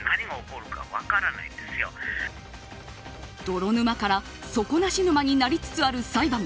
泥沼から底なし沼になりつつある裁判。